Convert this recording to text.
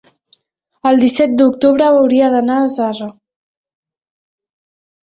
El disset d'octubre hauria d'anar a Zarra.